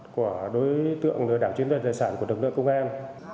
của đối tượng lừa đảo chiếm dụng tài sản của độc lượng công an